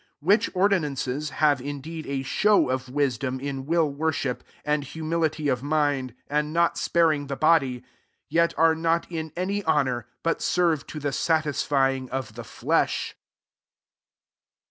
23 Which ordinances have indeed a show of wisdom in will worship, and humility of mind, and not sparing the body: yet are not in any honour, but serve to the satisfying of the fiesh.